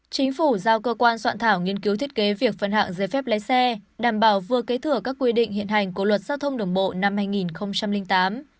chính phủ giao cơ quan soạn thảo nghiên cứu thiết kế việc phân hạng giấy phép lái xe đảm bảo vừa kế thừa các quy định hiện hành của luật giao thông đường bộ năm hai nghìn tám